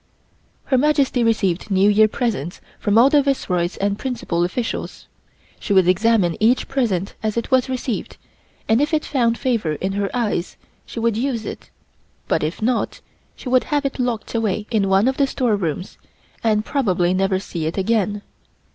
Her Majesty received New Year presents from all the Viceroys and principal officials. She would examine each present as it was received, and if it found favor in her eyes, she would use it, but if not, she would have it locked away in one of the storerooms and probably never see it again.